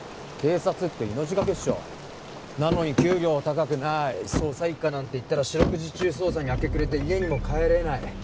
警察って命がけっしょなのに給料高くない捜査一課なんていったら四六時中捜査に明け暮れて家にも帰れない